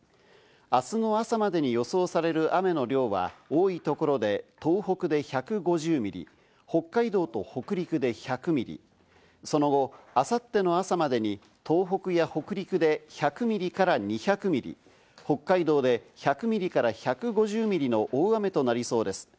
明日の朝までに予想される雨の量は多いところで東北で１５０ミリ、北海道と北陸で１００ミリ、その後、明後日の朝までに東北や北陸で１００ミリから２００ミリ、北海道で１００ミリから１５０ミリの大雨となりそうです。